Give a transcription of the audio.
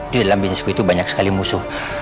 di dalam bisnisku itu banyak sekali musuh